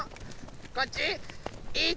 こっち？